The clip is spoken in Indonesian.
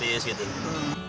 dan juga bahasa inggris